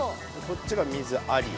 こっちが水あり。